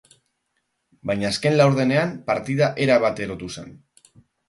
Baina azken laurdenean partida erabat erotu zen.